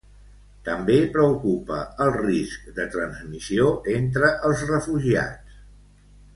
També preocupa el risc de transmissió entre els refugiats.